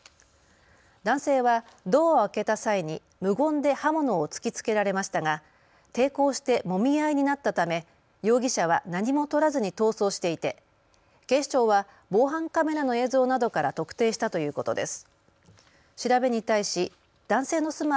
男性はドアを開けた際に無言で刃物をつきつけられましたが抵抗してもみ合いになったため容疑者は何もとらずに逃走していて警視庁は防犯カメラの映像などから特定したということです。